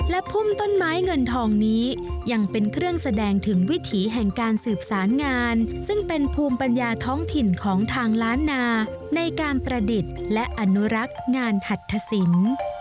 และพุ่มต้นไม้เงินทองนี้ยังเป็นเครื่องแสดงถึงวิถีแห่งการสืบสารงานซึ่งเป็นภูมิปัญญาท้องถิ่นของทางล้านนาในการประดิษฐ์และอนุรักษ์งานหัตถสิน